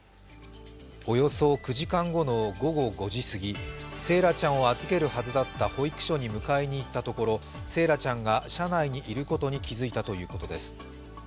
およそ９時間後の午後５時すぎ、惺愛ちゃんを預けるはずだった保育所に迎えに行ったところ惺愛ちゃんが車内にいることに気づいたということです。